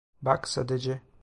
Bak, sadece…